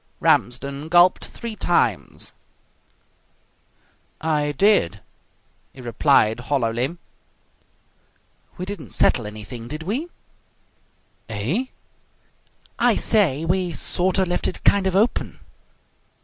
Ramsden gulped three times. "I did," he replied hollowly. "We didn't settle anything, did we?" "Eh?" "I say, we sort of left it kind of open."